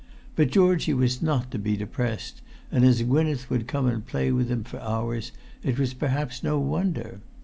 But Georgie was not to be depressed, and as Gwynneth would come and play with him for hours it was perhaps no wonder.